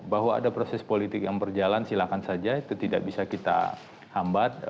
bahwa ada proses politik yang berjalan silakan saja itu tidak bisa kita hambat